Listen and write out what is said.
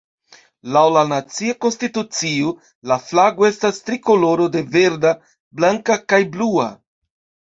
Laŭ la nacia konstitucio, la flago estas trikoloro de verda, blanka kaj blua.